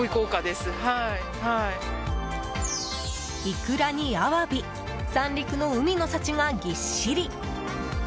イクラにアワビ三陸の海の幸がぎっしり。